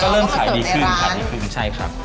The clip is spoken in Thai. ก็เริ่มขายดีขึ้นใช่ครับ